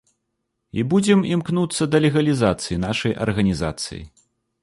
І будзем імкнуцца да легалізацыі нашай арганізацыі.